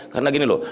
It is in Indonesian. karena gini loh